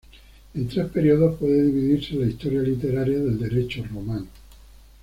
En tres períodos puede dividirse la historia literaria del derecho romano.